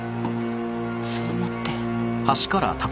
そう思って。